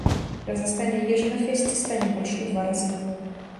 Разнастайнай ежы на фэсце стане больш у два разы.